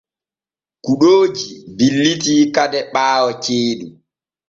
Kuɗooji bilitii kade ɓaawo ceeɗum.